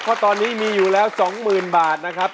เพราะตอนนี้มีอยู่แล้ว๒๐๐๐บาทนะครับ